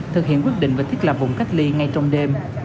thực hiện quyết định và thiết lập vùng cách ly ngay trong đêm